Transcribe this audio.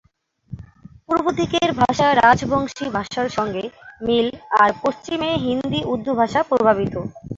পূর্বদিকের ভাষা রাজবংশী ভাষার সঙ্গে মিল আর পশ্চিমে হিন্দি-উর্দু ভাষা প্রভাবিত।